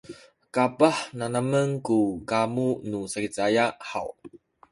kapah nanamen ku kamu nu Sakizaya haw?